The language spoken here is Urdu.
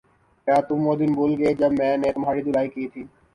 کیا تم وہ دن بھول گئے جب میں نے تمہاری دھلائی کی تھی